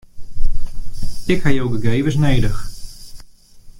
Ik ha jo gegevens nedich.